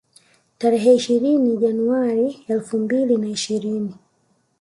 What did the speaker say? Tarehe ishirini Januari elfu mbili na ishirini